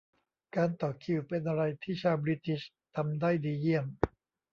การต่อคิวเป็นอะไรที่ชาวบริติชทำได้ดีเยี่ยม